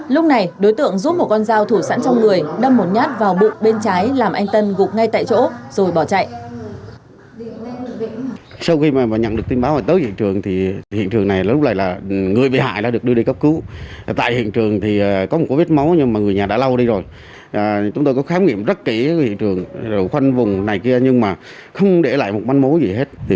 lúc này đối tượng giúp một con dao thủ sẵn trong người đâm một nhát vào bụng bên trái làm anh tân gục ngay tại chỗ rồi bỏ chạy